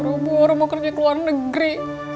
boro boro mau kerja ke luar negeri